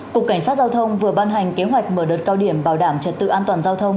cục cảnh sát giao thông vừa ban hành kế hoạch mở đợt cao điểm bảo đảm trật tự an toàn giao thông